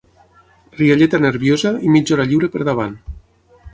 Rialleta nerviosa i mitja hora lliure per davant.